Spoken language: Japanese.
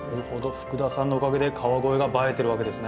福田さんのおかげで川越が映えてるわけですね。